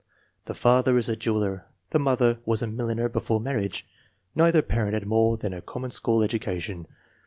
The father is a jeweler; the mother was a milliner before marriage. Neither parent had more than a com mon school education.